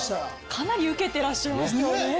かなりウケてらっしゃいましたよね。